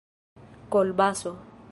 kolbaso